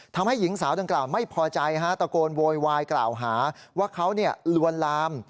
ทำให้หญิงสาวดังกล่าวไม่พอใจตะโกนโวยวายกล่าวหาว่าเขาลวนลาม